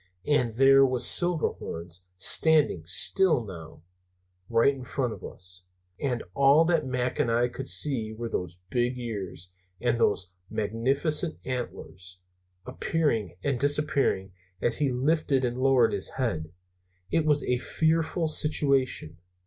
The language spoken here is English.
And there was Silverhorns, standing still now, right in front of us. And all that Mac and I could see were those big ears and those magnificent antlers, appearing and disappearing as he lifted and lowered his head. It was a fearful situation.